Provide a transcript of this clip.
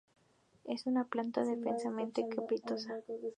Es una planta densamente cespitosa.